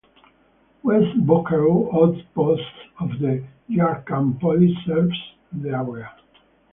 West Bokaro Outpost of Jharkhand Police serves the area.